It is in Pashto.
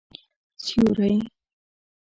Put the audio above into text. سیوری